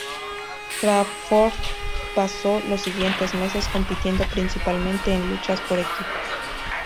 Crawford pasó los siguientes meses compitiendo principalmente en luchas por equipos.